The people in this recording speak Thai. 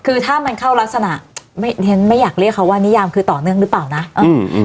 คือถ้ามันเข้ารักษณะไม่ฉันไม่อยากเรียกเขาว่านิยามคือต่อเนื่องหรือเปล่านะอืม